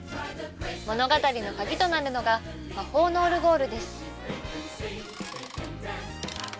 物語のカギとなるのが魔法のオルゴールです。